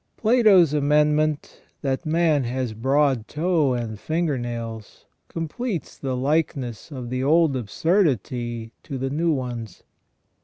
Plato's amendment, that man has broad toe and finger nails, completes the likeness of the old absurdity to the new ones.